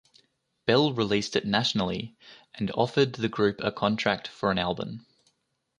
Bell released it nationally and offered the group a contract for an album.